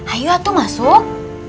ayu atu masuk